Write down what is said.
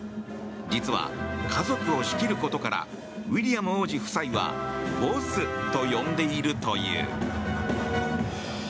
実は、家族を仕切ることからウィリアム王子夫妻はボスと呼んでいるという。